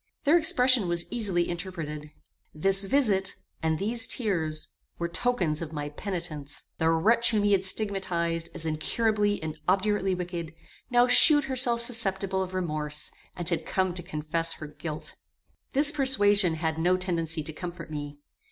Their expression was easily interpreted. This visit, and these tears, were tokens of my penitence. The wretch whom he had stigmatized as incurably and obdurately wicked, now shewed herself susceptible of remorse, and had come to confess her guilt. This persuasion had no tendency to comfort me.